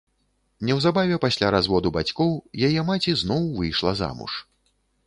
Неўзабаве пасля разводу бацькоў яе маці зноў выйшла замуж.